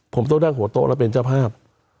ผมต้องนั่งหัวโต๊ะและเป็นเจ้าภาพ